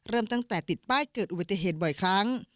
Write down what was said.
เริ่มตั้งแต่ติดป้ายเกิดอุบัติเหตุบ่อยครั้ง